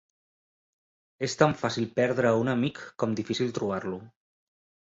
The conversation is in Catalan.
Es tan fàcil perdre a un amic com difícil trobar-lo.